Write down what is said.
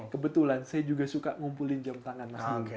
kebetulan saya juga suka ngumpulin jam tangan